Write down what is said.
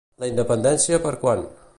La independència per quan?